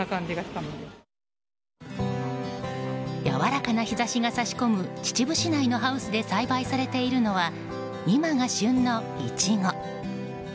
やわらかな日差しが差し込む秩父市内のハウスで栽培されているのは今が旬のイチゴ。